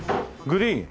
グリーン。